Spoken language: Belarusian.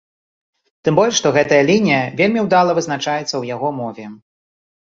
Тым больш што гэтая лінія вельмі ўдала вызначаецца ў яго мове.